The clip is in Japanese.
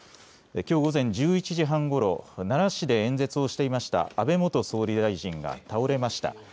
きょう午前１１時半ごろ奈良市で演説をしていました安倍元総理大臣が倒れました。